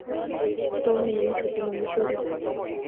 اس دو مہینے نی چُھٹی منگی شوڑی